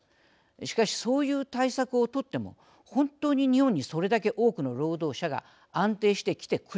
しかしそういう対策を取っても本当に日本にそれだけ多くの労働者が安定して来てくれるのか。